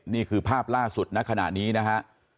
นี่คือภาพล่าสุดณขณะนี้นะฮะ